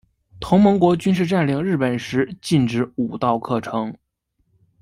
同盟国军事占领日本时禁止武道课程。